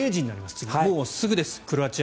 次もうすぐです、クロアチア。